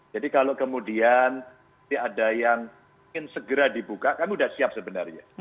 jadi kalau kemudian ada yang ingin segera dibuka kami sudah siap sebenarnya